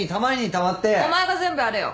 お前が全部やれよ。